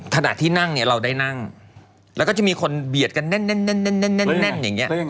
ขณะที่นั่งเนี่ยเราได้นั่งแล้วก็จะมีคนเบียดกันแน่นอย่างนี้